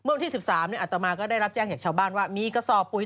วันที่๑๓อัตมาก็ได้รับแจ้งจากชาวบ้านว่ามีกระสอบปุ๋ย